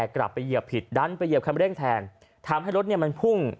กลับไปเหยียบผิดดันไปเหยียบคันเร่งแทนทำให้รถมันพุ่ง